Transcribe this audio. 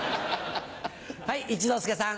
はい一之輔さん。